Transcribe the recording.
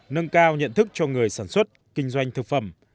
nâng cao nhận thức cho người sản xuất kinh doanh thực phẩm